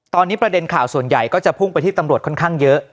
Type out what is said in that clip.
ตอนนี้ประเด็นข่าวส่วนใหญ่ก็จะพุ่งไปที่ตำรวจค่อนข้างเยอะ